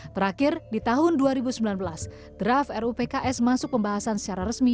terakhir di tahun dua ribu sembilan belas draft ruu pks masuk pembahasan secara resmi